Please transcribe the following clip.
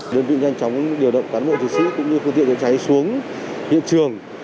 đơn vị nhanh chóng điều động cán bộ thủ sứ cũng như phương tiện cháy xuống hiện trường